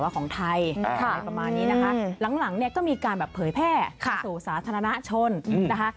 ของไทยประมาณนี้นะคะหลังก็มีการเผยแพร่สู่สาธารณชนนะคะ